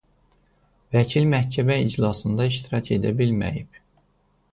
Vəkil məhkəmə iclasında iştirak edə bilməyib.